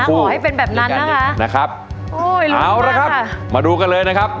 ขอให้เป็นแบบนั้นนะคะโอ้ยเอาละครับมาดูกันเลยนะครับ